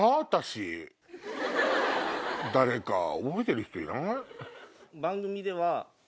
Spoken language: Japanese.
誰か覚えてる人いない？